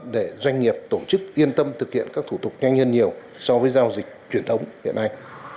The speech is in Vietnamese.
để doanh nghiệp tổ chức yên tâm thực hiện các thủ tục nhanh hơn nhiều so với giao dịch truyền thống hiện nay